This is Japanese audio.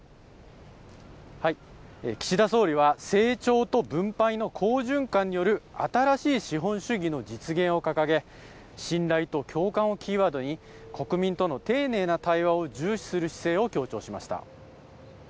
岸田総理は、成長と分配の好循環による新しい資本主義の実現を掲げ、信頼と共感をキーワードに、国民との丁寧な対話を重視する姿勢を強調しました。